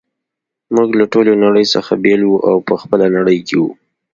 موږ له ټولې نړۍ څخه بیل وو او په خپله نړۍ کي وو.